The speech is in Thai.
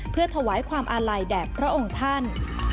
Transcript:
เพื่อถวายความอาลัยแด่พระองค์ท่าน